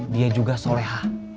dia juga soleha